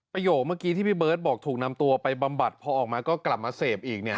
โยคเมื่อกี้ที่พี่เบิร์ตบอกถูกนำตัวไปบำบัดพอออกมาก็กลับมาเสพอีกเนี่ย